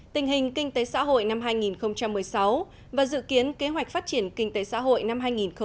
tình hình kinh tế xã hội năm hai nghìn một mươi sáu và dự kiến kế hoạch phát triển kinh tế xã hội năm hai nghìn hai mươi